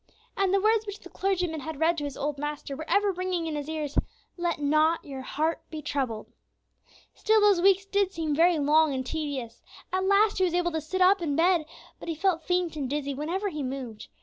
And the words which the clergyman had read to his old master were ever ringing in his ears, "Let not your heart be troubled." Still, those weeks did seem very long and tedious. At last, he was able to sit up in bed, but he felt faint and dizzy whenever he moved.